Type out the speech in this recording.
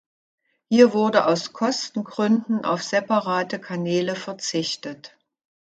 Hier wurde aus Kostengründen auf separate Kanäle verzichtet.